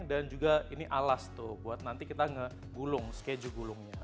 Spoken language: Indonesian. dan juga ini alas tuh buat nanti kita ngegulung keju gulungnya